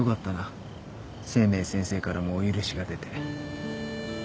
清明先生からもお許しが出て。